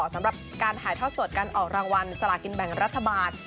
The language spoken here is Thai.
สำหรับการถ่ายทอดสดการออกรางวัลสลากินแบ่งรัฐบาล